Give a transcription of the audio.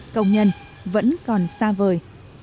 công nhân vẫn còn xa vời